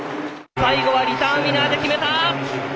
最後はリターンウイナーで決めた。